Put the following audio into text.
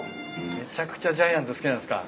めちゃくちゃジャイアンツ好きなんすか？